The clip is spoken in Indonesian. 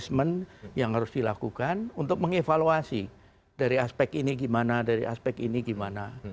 manajemen yang harus dilakukan untuk mengevaluasi dari aspek ini gimana dari aspek ini gimana